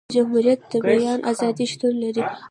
په جمهوريت د بیان ازادي شتون لري.